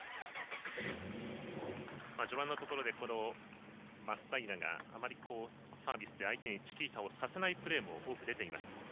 序盤のところで松平があまりサービスで相手にチキータをさせないプレーも多く出ていました。